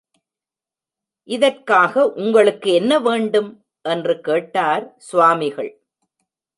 இதற்காக உங்களுக்கு என்ன வேண்டும்? என்று கேட்டார் சுவாமிகள்.